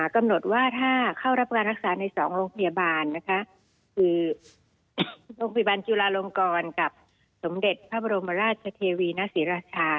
กำหนดว่าถ้าเข้ารับการรักษาใน๒โรงพยาบาลนะคะคือโรงพยาบาลจุลาลงกรกับสมเด็จพระบรมราชเทวีณศรีราชา